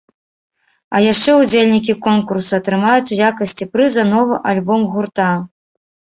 А яшчэ ўдзельнікі конкурсу атрымаюць у якасці прыза новы альбом гурта.